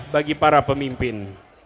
bagi para pemimpin